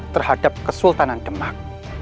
terhadap kesultanan demak